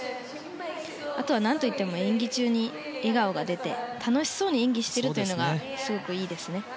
あとは、何といっても演技中に笑顔が出て楽しそうに演技しているのがすごくいいですね。